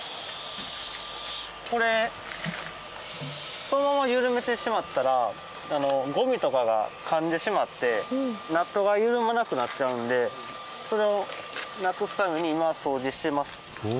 これこのまま緩めてしまったらゴミとかがかんでしまってナットが緩まなくなっちゃうんでそれをなくすために今掃除します。